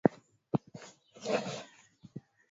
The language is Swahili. na wala si kuleta machafuko kama ambavyo